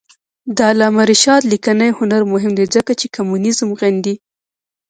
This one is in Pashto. د علامه رشاد لیکنی هنر مهم دی ځکه چې کمونیزم غندي.